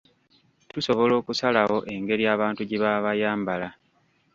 Tusobola okusalawo engeri abantu gye baba bayambala.